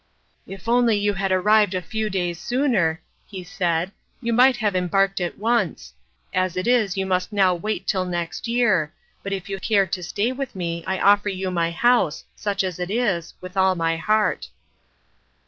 "If only you had arrived a few days sooner," he said, "you might have embarked at once. As it is you must now wait till next year, but if you care to stay with me I offer you my house, such as it is, with all my heart."